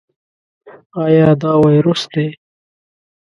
ایا دا وایروس دی؟